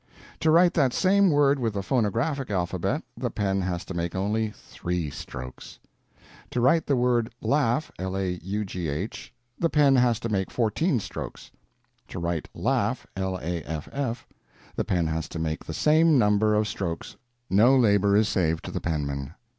To write that same word with the phonographic alphabet, the pen has to make only _three _strokes. To write the word "laugh," the pen has to make _fourteen _strokes. To write "laff," the pen has to make the same number of strokes—no labor is saved to the penman.